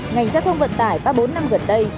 ngành giao thông vận tải ba bốn năm gần đây